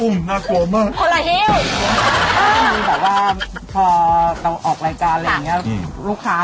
แล้วก็ไม่ได้ดังแค่ในไทยนะเฮียเฮ้ย